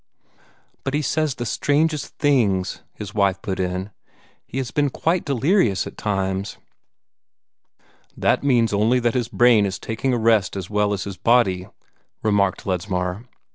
"But he says the strangest things," the wife put in. "He has been quite delirious at times." "That means only that his brain is taking a rest as well as his body," remarked Ledsmar.